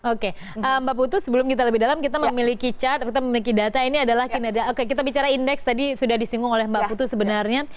oke mbak putu sebelum kita lebih dalam kita memiliki cat kita memiliki data ini adalah kinerja kita bicara indeks tadi sudah disinggung oleh mbak putu sebenarnya